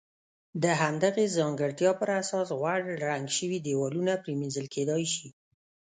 د همدغې ځانګړتیا پر اساس غوړ رنګ شوي دېوالونه پرېمنځل کېدای شي.